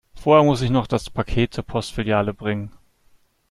Vorher muss ich noch das Paket zur Postfiliale bringen.